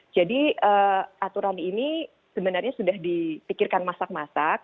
jadi aturan ini sebenarnya sudah dipikirkan masak masak